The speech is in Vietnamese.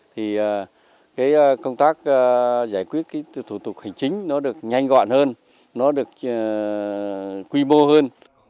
thì công tác giải quyết thủ tục hành chính nó được nhanh gọn hơn nó được quy mô hơn